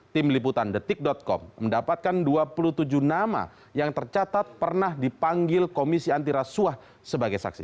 tim liputan detik com mendapatkan dua puluh tujuh nama yang tercatat pernah dipanggil komisi antirasuah sebagai saksi